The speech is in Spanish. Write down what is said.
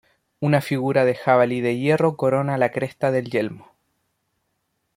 Una figura de jabalí de hierro corona la cresta del yelmo.